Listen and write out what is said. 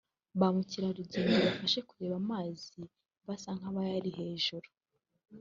ba mukereragendo ibafashe kureba amazi basa nk’abayari hejuru